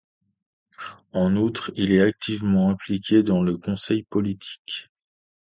En outre, il est activement impliqué dans le conseil politique.